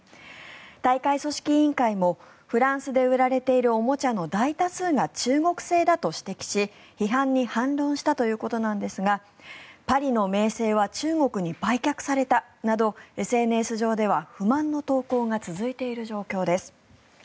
大会組織委員会もフランスで売られているおもちゃの大多数が中国製だと指摘し批判に反論したということですがパリの名声は中国に売却されたなどＳＮＳ上では不満の投稿が続いている状況です。